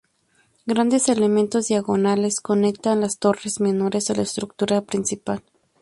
Grandes elementos diagonales conectan las torres menores a la estructura principal.